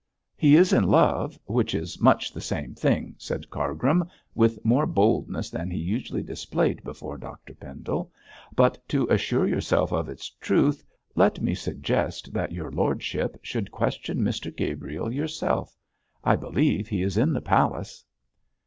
'He is in love, which is much the same thing,' said Cargrim, with more boldness than he usually displayed before Dr Pendle; 'but to assure yourself of its truth, let me suggest that your lordship should question Mr Gabriel yourself. I believe he is in the palace.'